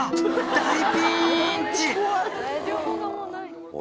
大ピンチ！